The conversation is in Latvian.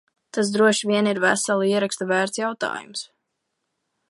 Tas droši vien ir vesela ieraksta vērts jautājums.